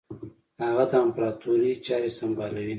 هغه د امپراطوري چاري سمبالوي.